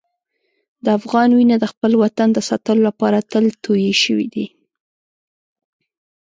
د افغان وینه د خپل وطن د ساتلو لپاره تل تویې شوې ده.